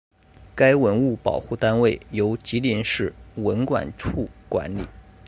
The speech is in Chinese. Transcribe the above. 该文物保护单位由吉林市文管处管理。